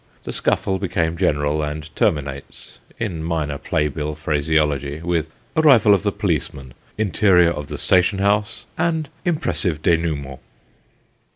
The scuffle became general, and terminates, in minor play bill phraseology, with " arrival of the policemen, interior of the station house, and impressive denouement."